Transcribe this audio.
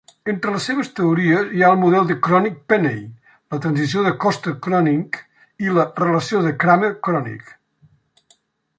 Entre les seves teories hi ha el model de Kronig-Penney, la transició de Coster-Kronig i la relació de Kramer-Kronig.